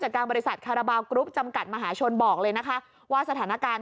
การบริษัทคาราบาลกรุ๊ปจำกัดมหาชนบอกเลยนะคะว่าสถานการณ์